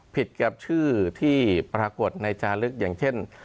ผิดกับชื่อที่ปรากฏในจาลึกอย่างเช่น